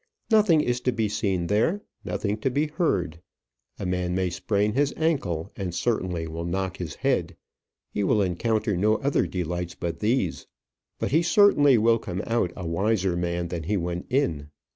Nothing is to be seen there nothing to be heard. A man may sprain his ankle, and certainly will knock his head. He will encounter no other delights but these. But he certainly will come out a wiser man than he went in.